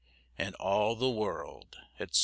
And all the world, etc.